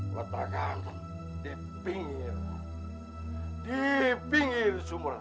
letakkan di pinggir di pinggir sumur raga